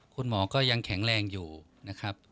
คุณหมอก็ยังแข็งแรงอยู่นะครับ